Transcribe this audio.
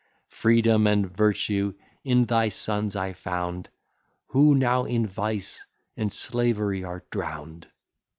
Freedom and virtue in thy sons I found, Who now in vice and slavery are drown'd.